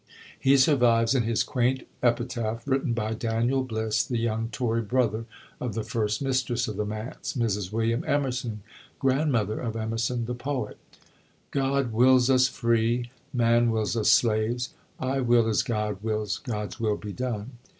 He survives in his quaint epitaph, written by Daniel Bliss, the young Tory brother of the first mistress of the manse (Mrs. William Emerson, grandmother of Emerson, the poet): "_God wills us free, Man wills us slaves, I will as God wills: God's will be done.